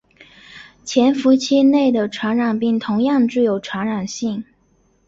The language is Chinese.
潜伏期内的传染病同样具有传染性。